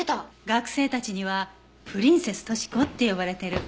学生たちには「プリンセス・トシコ」って呼ばれてる。